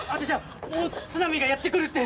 大津波がやってくるって！